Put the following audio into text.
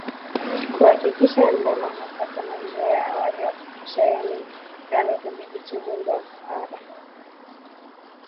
Kuhakikisha ndama anapata maziwa ya awali ya kutosha yaani danga hudhibiti ugonjwa wa kuhara